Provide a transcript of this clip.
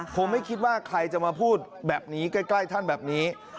ผมไม่คิดว่าใครจะมาพูดแบบนี้ใกล้ท่านแบบนี้